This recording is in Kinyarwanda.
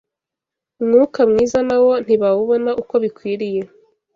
umwuka mwiza nawo ntibawubona uko bikwiriye